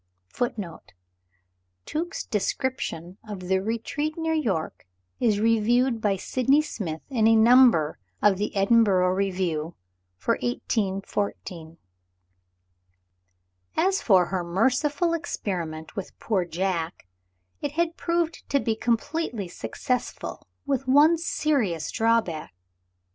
(1) (1) Tuke's Description of the Retreat near York is reviewed by Sydney Smith in a number of the "Edinburgh Review," for 1814. As for her merciful experiment with poor Jack, it had proved to be completely successful with one serious drawback.